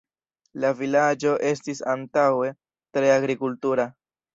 La vilaĝo estis antaŭe tre agrikultura.